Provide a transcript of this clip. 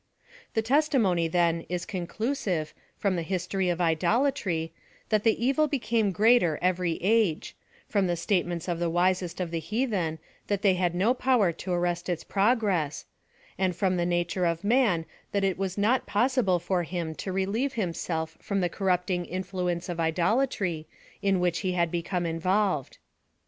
The testimony, then, is conclusive, from the his tory of idolatry, that the evil became greater every age — from the statements of the wisest of the hea then, that they had no power to arrest its progress — and from the nature of man, that it was not possi ble for him to relieve himself from the corrupting influence of idolatry, in which he had become in volved.